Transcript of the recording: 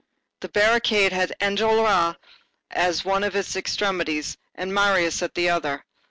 The barricade had Enjolras at one of its extremities and Marius at the other.